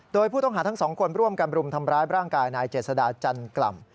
โดยผู้ต้องหาทั้งสองคนร่วมกันรุมทำร้ายร่างกายนายเจษดาจันกล่ำ